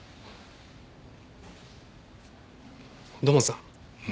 土門さん